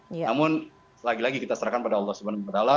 namun lagi lagi kita serahkan pada allah swt